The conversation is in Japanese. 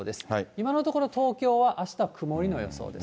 今のところ、東京はあしたは曇りの予想です。